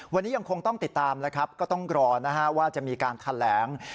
วันนี้ยังคงต้องติดตามแล้วก็ต้องกรอว่าจะมีการทันแหลง